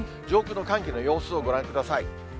上空の寒気の様子をご覧ください。